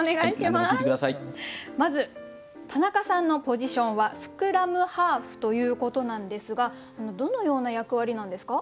まず田中さんのポジションはスクラムハーフということなんですがどのような役割なんですか？